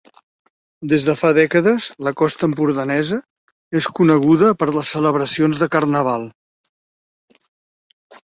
Des de fa dècades la costa empordanesa és coneguda per les celebracions de carnaval.